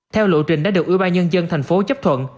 theo lộ trình đã được ưu ba nhân dân tp hcm chấp thuận